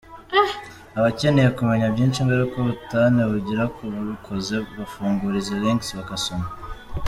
Abakeneye kumenya byinshi ingaruka ubutane bugira ku babukoze bafungura izi links bagasoma.